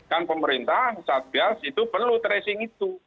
kan pemerintah saat bias itu perlu tracing itu